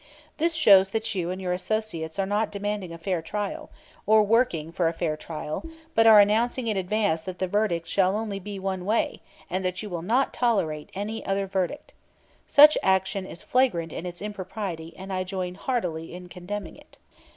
This shows that you and your associates are not demanding a fair trial, or working for a fair trial, but are announcing in advance that the verdict shall only be one way and that you will not tolerate any other verdict. Such action is flagrant in its impropriety, and I join heartily in condemning it.